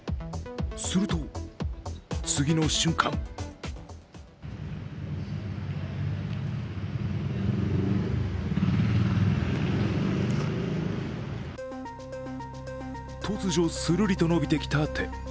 すると、次の瞬間突如、するりと伸びてきた、手。